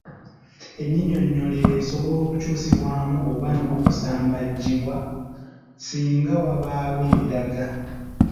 Ennyinyonnyolero esobola okukyusibwamu oba n’okusambajjibwa singa wabaawo ebiraga.